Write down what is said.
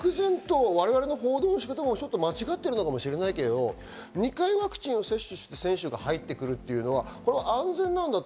漠然と我々の報道の仕方も間違ってるかもしれないけど、２回ワクチンを接種して選手が入ってくるというのは安全なんだと。